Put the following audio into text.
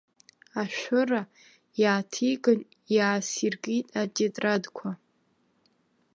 Ашәыра иааҭиган, иаасиркит атетрадқәа.